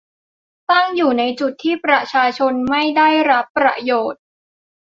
ตั้งอยู่ในจุดที่ประชาชนไม่ได้รับประโยชน์